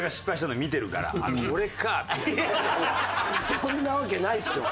そんなわけないっしょ。